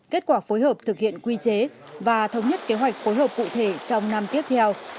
kết quả phối hợp thực hiện quy chế và thống nhất kế hoạch phối hợp cụ thể trong năm tiếp theo